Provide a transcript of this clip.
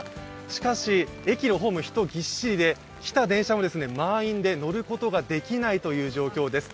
しかし、駅のホーム、人がギッシリで来た電車も満員で乗ることができないという状況です。